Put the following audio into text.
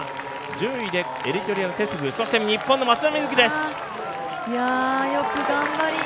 １０位でエリトリアのテスフそして日本の松田瑞生です。